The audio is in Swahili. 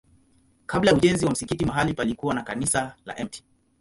Kabla ya ujenzi wa msikiti mahali palikuwa na kanisa la Mt.